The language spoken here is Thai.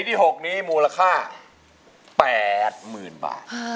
เพลงที่๖มูลค่า๘๐๐๐๐บาท